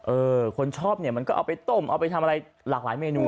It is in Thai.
เออคนชอบเนี่ยมันก็เอาไปต้มเอาไปทำอะไรหลากหลายเมนู